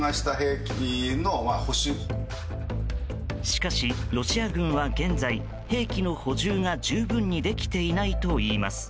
しかし、ロシア軍は現在兵器の補充が十分にできていないといいます。